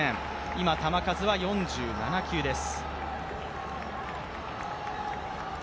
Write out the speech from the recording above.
今、球数は４７球です。